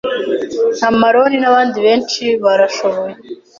Na Amalon, nabandi benshi barashoboye